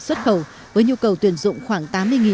xuất khẩu với nhu cầu tuyển dụng khoảng